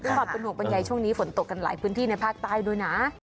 ความเป็นห่วงบรรยายช่วงนี้ฝนตกกันหลายพื้นที่ในภาคใต้ด้วยนะ